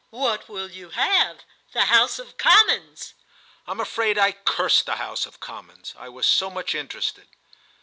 "What will you have? The House of Commons!" I'm afraid I cursed the House of Commons: I was so much interested.